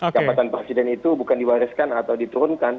jabatan presiden itu bukan diwariskan atau diturunkan